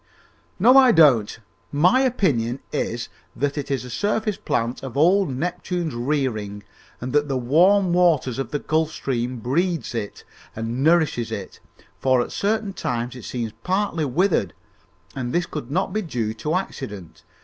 "No, I don't. My opinion is that it is a surface plant of old Neptune's rearing and that the warm water of the Gulf Stream breeds it and nourishes it, for at certain times it seems partly withered, and this could not be due to accident.